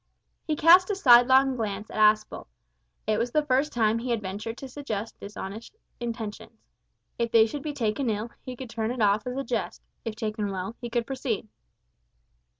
He cast a sidelong glance at Aspel. It was the first time he had ventured to suggest dishonest intentions. If they should be taken ill, he could turn it off as a jest; if taken well, he could proceed.